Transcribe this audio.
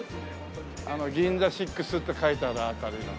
あの「ＧＩＮＺＡＳＩＸ」って書いてある辺りの。